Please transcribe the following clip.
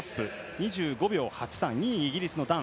２５秒８３２位、イギリスのダン。